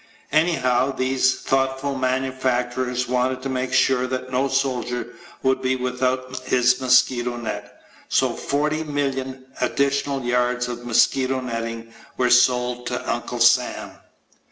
Anyhow, these thoughtful manufacturers wanted to make sure that no soldier would be without his mosquito net, so 40,000,000 additional yards of mosquito netting were sold to Uncle Sam.